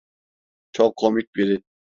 Çok komik biri.